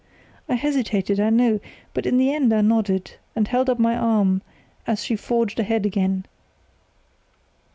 I hesitated. I know; but in the end I nodded, and held up my arm as she forged ahead again.